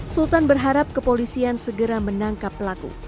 sultan berharap kepolisian segera menangkap pelaku